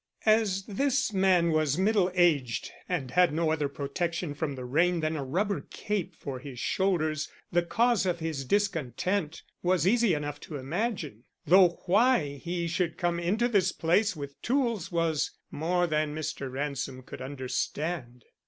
As this man was middle aged and had no other protection from the rain than a rubber cape for his shoulders, the cause of his discontent was easy enough to imagine; though why he should come into this place with tools was more than Mr. Ransom could understand.